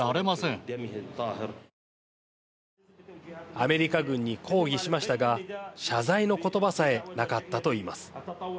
アメリカ軍に抗議しましたが謝罪のことばさえなかったと言います。